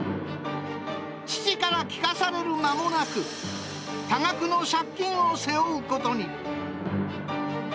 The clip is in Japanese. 父から聞かされる間もなく、多額の借金を背負うことに。